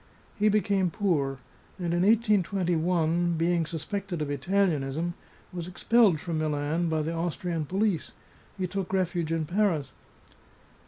He became poor, and in 1821, being sus pected of Italianism, was expelled from Milan by the Aus trian police; he took refuge in Paris.